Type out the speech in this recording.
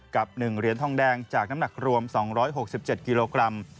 กับ๑เหรียญทองแดงจากน้ำหนักรวม๒๖๗กิโลกรัม